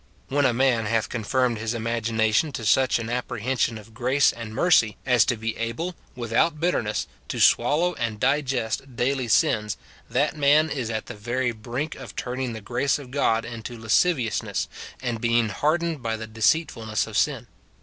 When a man hath con firmed his imagination to such an apprehension of grace and mercy as to be able, without bitterness, to swallow and digest daily sins, that man is at the very brink of turning the grace of God into lasciviousness, and being hardened by the deceitfulness of sin.